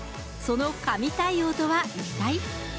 その神対応とは一体？